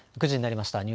９時になりました。